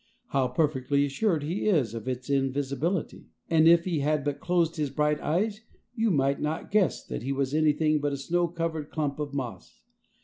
How perfectly assured he is of his invisibility, and if he had but closed his bright eyes you might not guess that he was anything but a snow covered clump of moss.